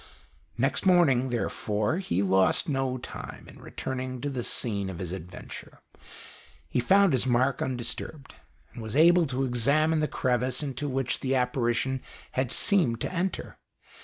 Next morning, therefore, he lost no time in returning to the scene of his adventure. He found his mark undisturbed, and was able to examine the crevice into which the apparition had seemed to enter.